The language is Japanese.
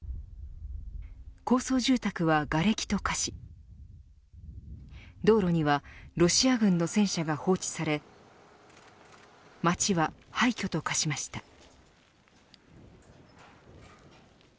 高層住宅はがれきと化し道路にはロシア軍の戦車が放置され街は廃虚と化しました。